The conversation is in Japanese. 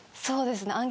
そうですね。